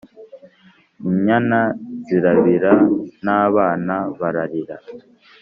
Inyana zirabira n'abana bararira,